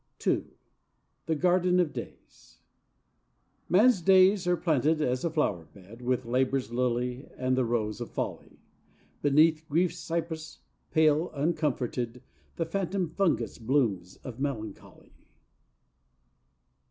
II The Garden of Days Man's days are planted as a flower bed With labor's lily and the rose of folly: Beneath grief's cypress, pale, uncomforted, The phantom fungus blooms of melancholy.